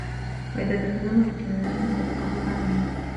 وَإِذَا تَكَلَّمَ بِكَلَامٍ صَدَّقَهُ فَعَمِلَهُ